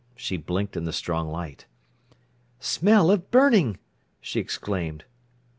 She blinked in the strong light. "Smell of burning!" she exclaimed.